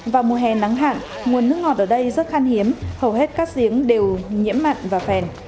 vào mùa hè nắng hạn nguồn nước ngọt ở đây rất khan hiếm hầu hết các giếng đều nhiễm mặn và phèn